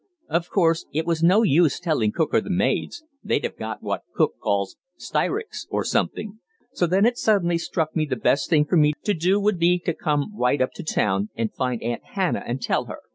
"Of course, it was no use telling cook or the maids; they'd have got what cook calls 'styricks' or something, so then it suddenly struck me the best thing for me to do would be to come right up to town and find Aunt Hannah and tell her.